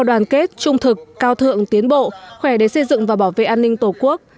đoàn kết trung thực cao thượng tiến bộ khỏe để xây dựng và bảo vệ an ninh tổ quốc